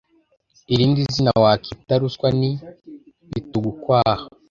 irindi zina wakita ruswa ni bitugukwaha,